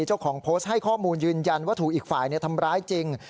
เจ้าของโพสต์ให้ข้อมูลยืนยันว่าถูกอีกฝ่ายทำร้ายจริง